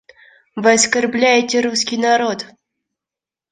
Вы оскорбляете русский народ.